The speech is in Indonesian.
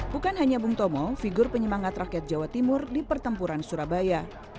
bukan hanya bung tomo figur penyemangat rakyat jawa timur di pertempuran surabaya